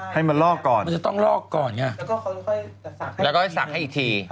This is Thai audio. ให้มันลอกก่อนมันจะต้องลอกก่อนไงแล้วก็ให้สักให้อีกที